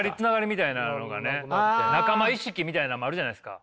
仲間意識みたいなのもあるじゃないですか。